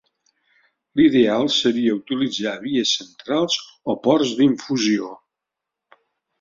L'ideal seria utilitzar vies centrals o ports d'infusió.